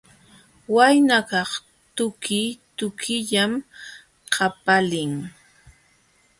Waynakaq tuki tukillam qapalin.